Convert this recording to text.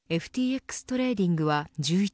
ＦＴＸトレーディングは１１日